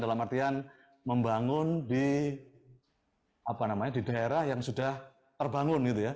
dalam artian membangun di daerah yang sudah terbangun